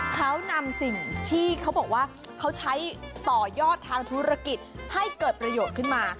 เขานำสิ่งที่เขาบอกว่าเขาใช้ต่อยอดทางธุรกิจให้เกิดประโยชน์ขึ้นมา